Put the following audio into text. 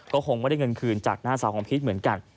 ก็คงไม่ได้เงินคืนจากหน้าสาวของพีชเหมือนกัน